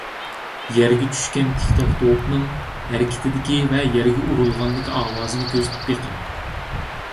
يەرگە چۈشكەن تىكتاك توپنىڭ، ھەرىكىتىدىكى ۋە يەرگە ئۇرۇلغاندىكى ئاۋازىنى كۆزىتىپ بېقىڭ.